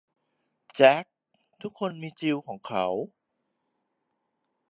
แจ็คทุกคนมีจิลของเขา